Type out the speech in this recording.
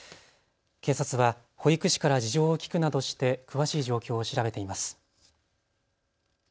警察は保育士から事情を聞くなどして詳しい状況を調べています。